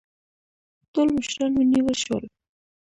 ټول مشران ونیول شول.